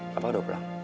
papa udah pulang